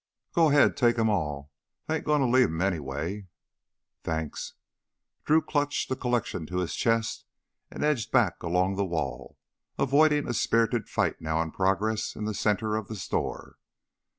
"Go ahead, take 'em all! They ain't goin' to leave 'em, anyway." "Thanks!" Drew clutched the collection to his chest and edged back along the wall, avoiding a spirited fight now in progress in the center of the store.